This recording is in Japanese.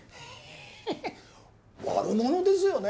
ヘヘ悪者ですよね？